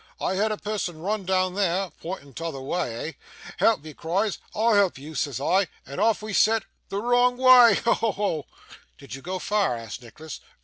I heerd a person run doon there" (pointing t'other wa' eh?) "Help!" he cries. "I'll help you," says I; and off we set the wrong wa'! Ho! ho! ho!' 'Did you go far?' asked Nicholas.